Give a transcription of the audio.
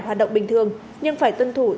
hoạt động bình thường nhưng phải tuân thủ